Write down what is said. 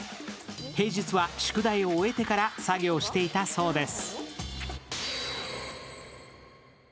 平日は宿題を終えてから作業していたそうです。